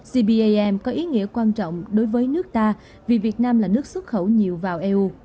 cbam có ý nghĩa quan trọng đối với nước ta vì việt nam là nước xuất khẩu nhiều vào eu